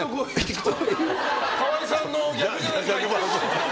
川合さんの逆じゃないですか！